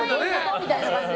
みたいな感じで。